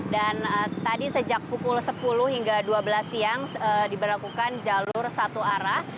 dan tadi sejak pukul sepuluh hingga dua belas siang diberlakukan jalur satu arah